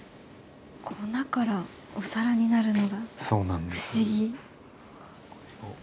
粉からお皿になるのが不思議。